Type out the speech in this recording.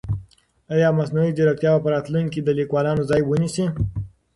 آیا مصنوعي ځیرکتیا به په راتلونکي کې د لیکوالانو ځای ونیسي؟